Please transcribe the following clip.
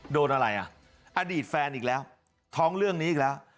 โดนอะไรอ่ะอดีตแฟนอีกแล้วท้องเรื่องนี้อีกแล้ว